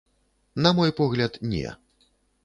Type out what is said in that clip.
На мой погляд, не.